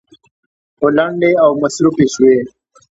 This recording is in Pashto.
خو لنډې او مصروفې شوې.